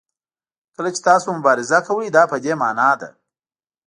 کله چې تاسو مبارزه کوئ دا په دې معنا ده.